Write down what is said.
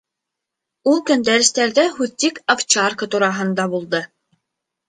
Ул көн дәрестәрҙә һүҙ тик овчарка тураһында булды.